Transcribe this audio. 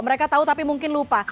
mereka tahu tapi mungkin lupa